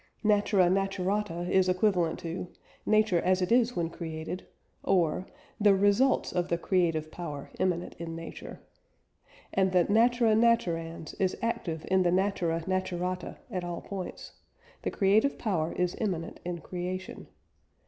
Natura naturata is equivalent to "Nature as it is when created," or "The results of the creative power immanent in Nature." And the Natura naturans is active in the Natura naturata at all points: the creative power is immanent in creation.